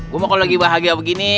gua mau kalau lagi bahagia begini